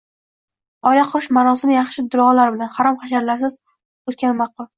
Oila qurish marosimi yaxshi duolar bilan, harom-xarishlarsiz o‘tgani ma’qul.